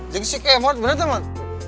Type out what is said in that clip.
jengsik ya mau ternyata man